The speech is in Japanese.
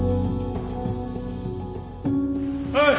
はい！